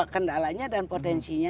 kendalanya dan potensinya